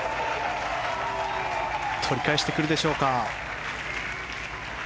取り返してくるでしょうか。